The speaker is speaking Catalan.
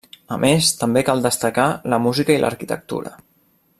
A més també cal destacar la música i l’arquitectura.